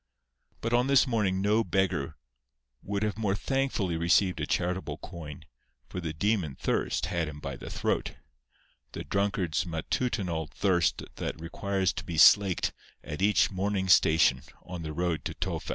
But on this morning no beggar would have more thankfully received a charitable coin, for the demon thirst had him by the throat—the drunkard's matutinal thirst that requires to be slaked at each morning station on the road to Tophet.